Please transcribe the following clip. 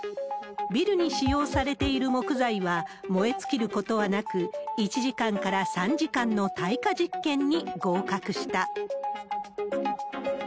ビルに使用されている木材は燃え尽きることはなく、１時間から３時間の耐火実験に合格した。